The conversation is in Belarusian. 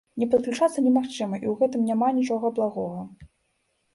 Не падключацца немагчыма, і ў гэтым няма нічога благога.